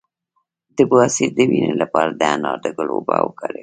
د بواسیر د وینې لپاره د انار د ګل اوبه وکاروئ